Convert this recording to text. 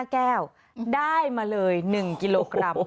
แก้วได้มาเลย๑กิโลกรัม